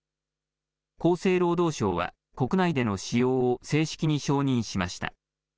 厚生労働省は国内での使用を正式に承認しました。